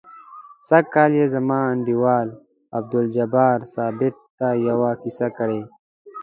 سږ کال یې زما انډیوال عبدالجبار ثابت ته یوه کیسه کړې.